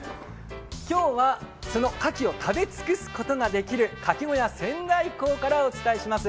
今日はそのかきを食べ尽くすことができるかき小屋仙台港からお伝えします。